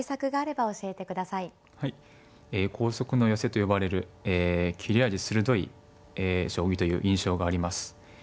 はいえ光速の寄せと呼ばれるえ切れ味鋭い将棋という印象があります。